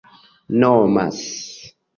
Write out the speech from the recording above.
nomas